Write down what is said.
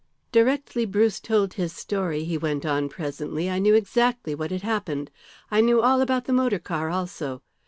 "Directly Bruce told his story," he went on presently, "I knew exactly what had happened. I knew all about the motor car also.